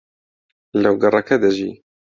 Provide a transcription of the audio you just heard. لەو گەڕەکە دەژی.